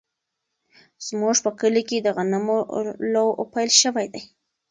زموږ په کلي کې د غنمو لو پیل شوی دی.